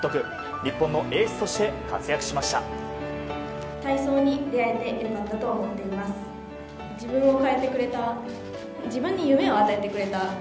日本のエースとして活躍しました。